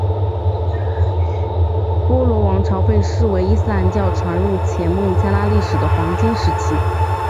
波罗王朝被视为伊斯兰教传入前孟加拉历史的黄金时期。